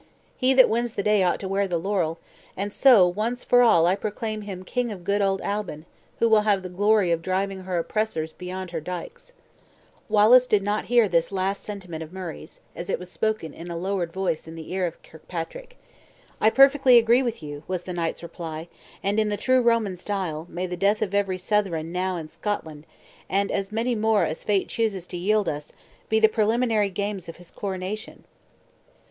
He that wins the day ought to wear the laurel; and so, once for all, I proclaim him King of good old Albin, who will have the glory of driving her oppressors beyond her dikes." Albin was the ancient name of Scotland. Wallace did not hear this last sentiment of Murray's, as it was spoken in a lowered voice in the ear of Kirkpatrick. "I perfectly agree with you," was the knight's reply; "and in the true Roman style, may the death of every Southron now in Scotland, and as many more as fate chooses to yield us, be the preliminary games of his coronation!"